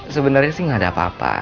sebenarnya sih nggak ada apa apa